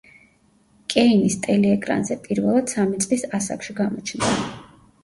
კეინის ტელე-ეკრანზე პირველად სამი წლის ასაკში გამოჩნდა.